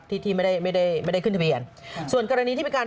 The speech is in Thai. ที่ที่ไม่ได้ไม่ได้ขึ้นทะเบียนส่วนกรณีที่เป็นการ